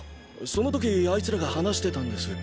その時あいつらが話してたんです。